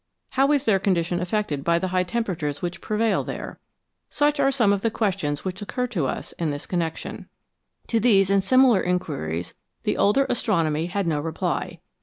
How is their condition affected by the high temperatures which prevail there ? Such are some of the questions which occur to us in this connection. To these and similar inquiries the older astronomy had no reply.